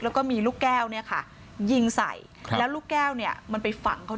แล้วก็มีลูกแก้วเนี่ยค่ะยิงใส่แล้วลูกแก้วเนี่ยมันไปฝังเขา